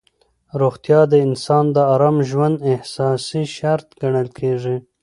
روغتیا د انسان د ارام ژوند اساسي شرط ګڼل کېږي.